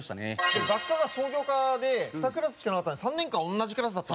学科が商業科で２クラスしかなかったんで３年間同じクラスだった。